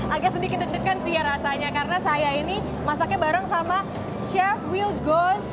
agak sedikit deg degan sih rasanya karena saya ini masaknya bareng sama chef lugos